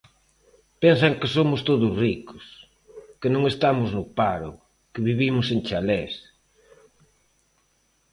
Pensan que somos todos ricos, que non estamos no paro, que vivimos en chalés.